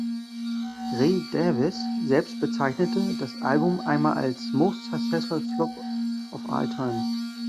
Ray Davies selbst bezeichnete das Album einmal als „most successful flop of all time“.